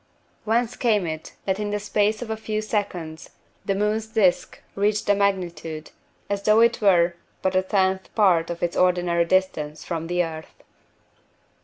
Whence came it that in the space of a few seconds the moon's disc reached a magnitude as though it were but a tenth part of its ordinary distance from the earth?